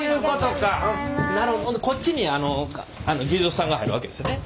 なるほどこっちに技術さんが入るわけですよね。